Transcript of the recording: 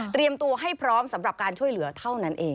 ตัวให้พร้อมสำหรับการช่วยเหลือเท่านั้นเอง